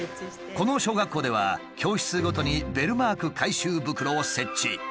この小学校では教室ごとにベルマーク回収袋を設置。